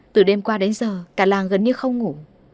từ đêm qua đến giờ cả làng gần như không ngủ